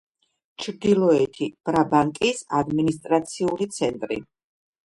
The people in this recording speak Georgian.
ჩრდილოეთი ბრაბანტის ადმინისტრაციული ცენტრი.